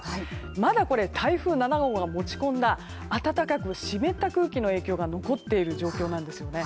まだ台風７号が持ち込んだ暖かく湿った空気の影響が残っている状況なんですよね。